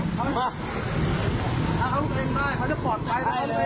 ถ้าเขารถเก๋งได้เขาจะปลอดภัย